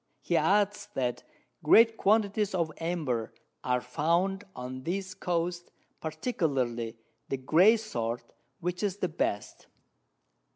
He adds, that great Quantities of Amber are found on this Coast, particularly, the grey sort, which is the best.